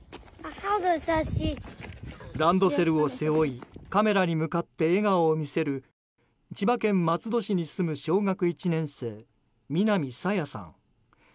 ランドセルを背負いカメラに向かって笑顔を見せる千葉県松戸市に住む小学１年生、南朝芽さん。